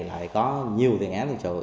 lại có nhiều tiền án tiền sự